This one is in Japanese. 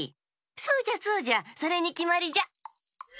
そうじゃそうじゃそれにきまりじゃ。